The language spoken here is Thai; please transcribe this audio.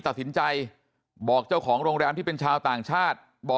ตัดสินใจบอกเจ้าของโรงแรมที่เป็นชาวต่างชาติ